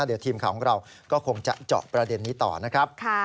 เดี๋ยวทีมข่าวของเราก็คงจะเจาะประเด็นนี้ต่อนะครับ